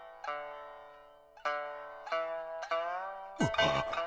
あっ。